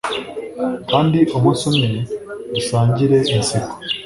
kandi umunsi umwe dusangire inseko